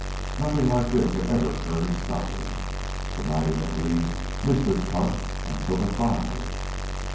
Nothing like this had ever occurred in Scotland. The mighty McLeod missed his putt and took a five.